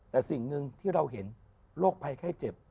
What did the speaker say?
แต่สิ่งหนึ่งที่เราเห็นโรคภัยไข้เจ็บ